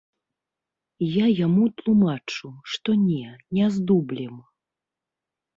Я яму тлумачу, што не, не з дублем.